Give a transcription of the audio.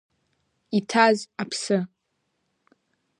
Иҭаз аԥсы…